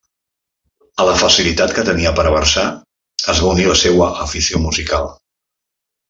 A la facilitat que tenia per a versar, es va unir la seua afició musical.